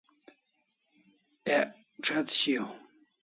Ek ch'etr shiau